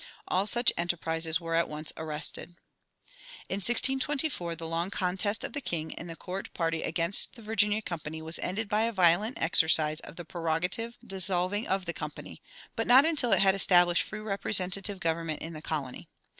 All such enterprises were at once arrested. In 1624 the long contest of the king and the court party against the Virginia Company was ended by a violent exercise of the prerogative dissolving the Company, but not until it had established free representative government in the colony.